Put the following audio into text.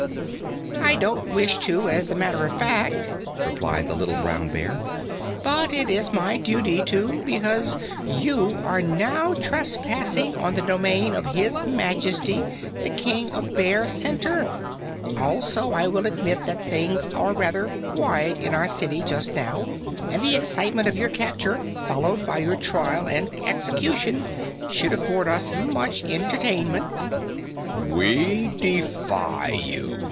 "I don't wish to, as a matter of fact," replied the little Brown Bear, "but it is my duty to, because you are now trespassing on the domain of His Majesty, the King of Bear Center. Also, I will admit that things are rather quiet in our city just now, and the excitement of your capture, followed by your trial and execution, should afford us much entertainment." "We defy you!"